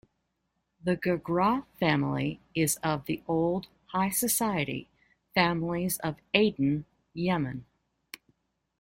The Girgrah family is of the old, high society, families of Aden, Yemen.